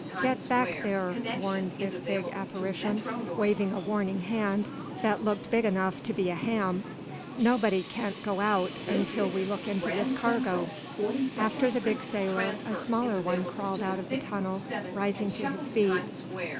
"Get back there!" warned this big apparition, waving a warning hand that looked big enough to be a ham. "Nobody can't go out until we look into this cargo." After the big sailor a smaller one crawled out of the tunnel, rising to his feet.